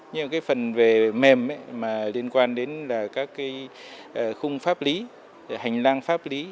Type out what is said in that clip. nhưng cái phần về mềm mà liên quan đến là các cái khung pháp lý hành lang pháp lý